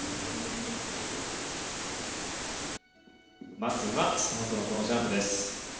まずはスタートのこのジャンプです。